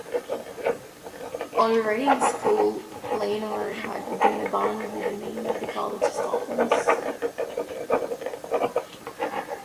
Already in school, Lienhard had begun a band with the name "The College Stompers".